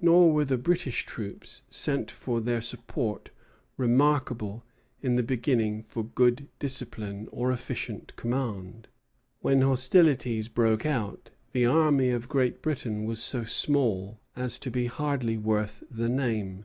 Nor were the British troops sent for their support remarkable in the beginning for good discipline or efficient command. When hostilities broke out, the army of Great Britain was so small as to be hardly worth the name.